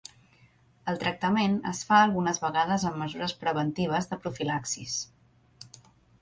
El tractament es fa algunes vegades amb mesures preventives de profilaxis.